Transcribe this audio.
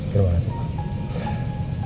terima kasih pak